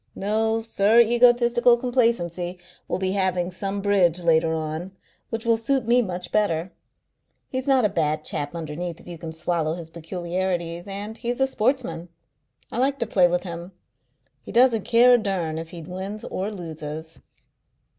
No, Sir Egotistical Complacency will be having some bridge later on, which will suit me much better. He's not a bad chap underneath if you can swallow his peculiarities, and he's a sportsman. I like to play with him. He doesn't care a durn if he wins or loses."